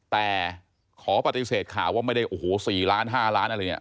แต่ขอปฏิเสธข่าวว่าไม่ได้โอ้โห๔ล้าน๕ล้านอะไรเนี่ย